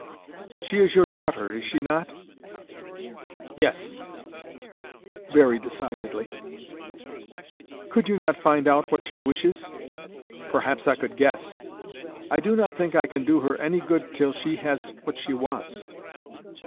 "'She is your daughter, is she not?' "'Yes,'—very decidedly. "'Could you not find out what she wishes?' "'Perhaps I could guess.' "'I do not think I can do her any good till she has what she wants.